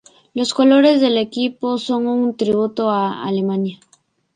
Los colores del equipo son un tributo a Alemania.